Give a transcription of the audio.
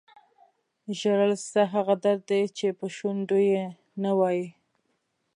ژړل ستا هغه درد دی چې په شونډو یې نه وایې.